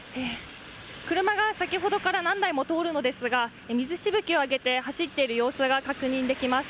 車が先ほどから何台も通るのですが水しぶきを上げて走っている様子が確認できます。